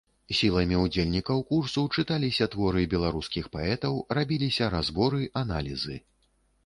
Сіламі ўдзельнікаў курсу чыталіся творы беларускіх паэтаў, рабіліся разборы, аналізы.